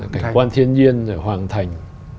cảnh quan thiên nhiên hoàng thành